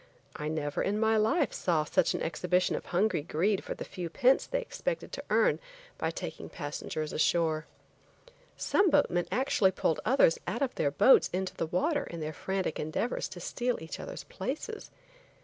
I never in my life saw such an exhibition of hungry greed for the few pence they expected to earn by taking the passengers ashore. Some boatmen actually pulled others out of their boats into the water in their frantic endeavors to steal each other's places.